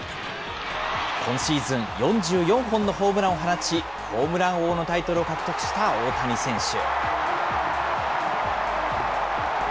今シーズン４４本のホームランを放ち、ホームラン王のタイトルを獲得した大谷選手。